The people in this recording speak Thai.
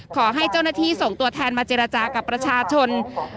ขอให้เจ้าหน้าที่ส่งตัวแทนมาเจรจากับประชาชน